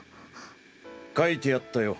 書いてあったよ。